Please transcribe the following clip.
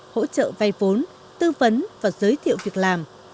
hỗ trợ vay vốn tư vấn và giới thiệu việc làm